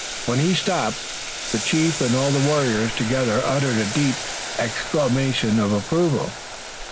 When he stopped the chief and all the warriors together uttered a deep exclamation of approval.